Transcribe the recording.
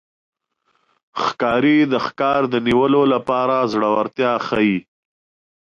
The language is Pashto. ښکاري د ښکار د نیولو لپاره زړورتیا ښيي.